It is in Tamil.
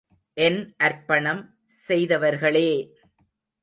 என் அர்ப்பணம் செய்தவர்களே!